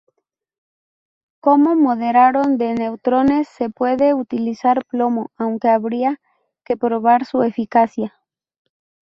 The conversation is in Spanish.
Como moderador de neutrones se puede utilizar plomo, aunque habría que probar su eficacia.